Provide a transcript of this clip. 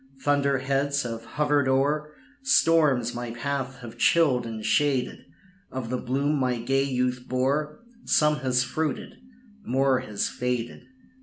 Thunder heads have hovered o'er Storms my path have chilled and shaded; Of the bloom my gay youth bore, Some has fruited more has faded."